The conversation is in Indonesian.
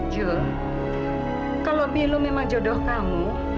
juli kalau milo memang jodoh kamu